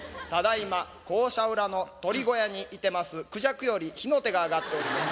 ただ今校舎裏の鳥小屋にいてますクジャクより火の手が上がっております。